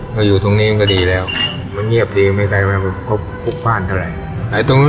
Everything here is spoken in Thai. ถ้าอยู่ตรงนี้ก็ดีแล้วมันเงียบดีไม่ใกล้มันก็คุกบ้านเท่าไหร่